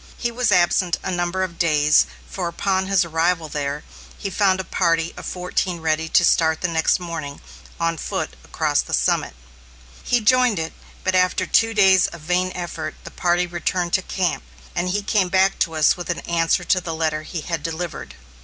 He was absent a number of days, for upon his arrival there, he found a party of fourteen ready to start next morning, on foot, across the summit. He joined it, but after two days of vain effort, the party returned to camp, and he came back to us with an answer to the letter he had delivered.